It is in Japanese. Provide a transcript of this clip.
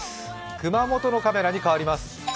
熊本のカメラに変わります。